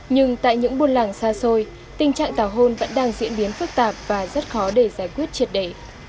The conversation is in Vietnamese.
nhưng tại những buôn làng xa xôi tình trạng tào hôn vẫn đang diễn biến phức tạp và rất khó để giải quyết triệt đề